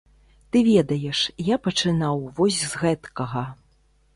Ты ведаеш, я пачынаў вось з гэткага.